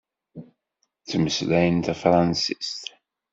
Ttmeslayen tafṛansist.